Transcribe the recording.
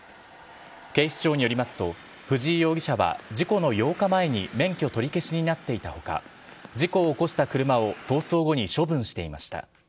警視庁によりますと、藤井容疑者は事故の８日前に免許取り消しになっていたほか、事故を起こした車を逃走後に処分していました。